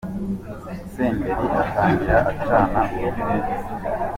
Senderi atangira acana urumuri